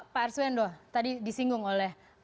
pak arswendo tadi disinggung oleh